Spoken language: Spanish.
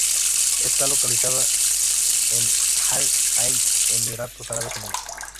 Está localizada en Al Ain, Emiratos Árabes Unidos.